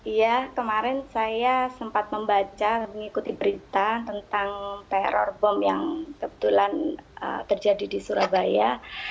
iya kemarin saya sempat membaca mengikuti berita tentang teror bom yang kebetulan terjadi di surabaya